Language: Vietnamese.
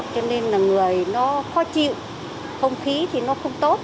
cho nên là người nó khó chịu không khí thì nó không tốt